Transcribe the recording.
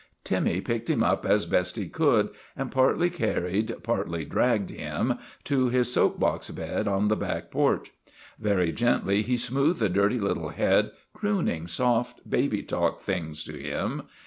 Timmy picked him up as best he could and partly carried, partly dragged him to his soap box bed on the back porch. Very gently he smoothed the dirty little head, crooning soft, baby talk things to him.